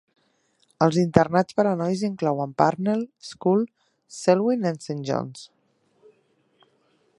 Els internats per a nois inclouen Parnell, School, Selwyn, and Saint John's.